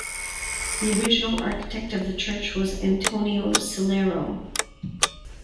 The original architect of the church was Antonio Sillero.